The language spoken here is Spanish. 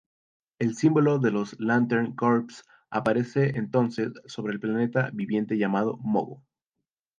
El símbolo de los Lantern Corps aparece entonces sobre el planeta viviente llamado Mogo.